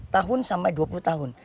tahun sampai dua puluh tahun